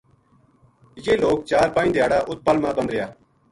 یہ لوک چار پنج دھیاڑا اُت پَل ما بند رہیا